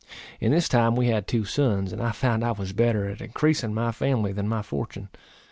In this time we had two sons, and I found I was better at increasing my family than my fortune.